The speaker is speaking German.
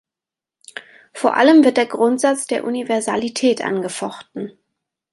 Vor allem wird der Grundsatz der Universalität angefochten.